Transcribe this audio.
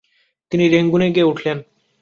তিনি রেঙ্গুনে গিয়ে উঠলেন।